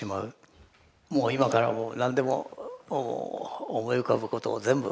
もう今から何でも思い浮かぶことを全部。